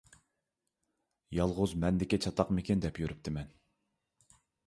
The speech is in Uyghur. يالغۇز مەندىكى چاتاقمىكىن دەپ يۈرۈپتىمەن تېخى.